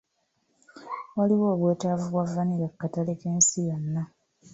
Waliwo obwetaavu bwa vanilla ku katale k'ensi yonna.